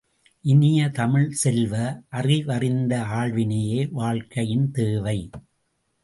இனிய தமிழ்ச் செல்வ, அறிவறிந்த ஆள்வினையே வாழ்க்கையின் தேவை!